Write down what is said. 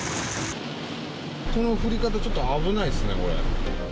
この降り方はちょっと危ないですね。